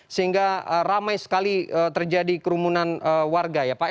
sehingga ramai sekali terjadi kerumunan warga ya pak